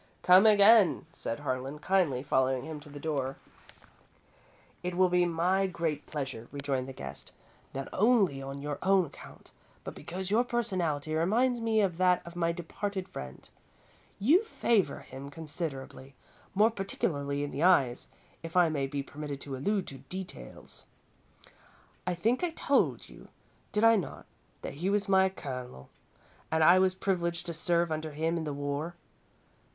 "Come again," said Harlan, kindly, following him to the door. "It will be my great pleasure," rejoined the guest, "not only on your own account, but because your personality reminds me of that of my departed friend. You favour him considerably, more particularly in the eyes, if I may be permitted to allude to details. I think I told you, did I not, that he was my Colonel and I was privileged to serve under him in the war?